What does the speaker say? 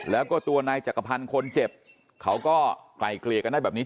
แล้วก็ตัวนายจักรพันธ์คนเจ็บเขาก็ไกลเกลี่ยกันได้แบบนี้